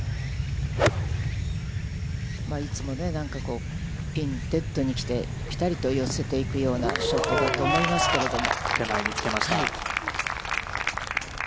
いつもね、ピンデッドに来て、ぴたりと寄せていくようなショットだと思いますけれども。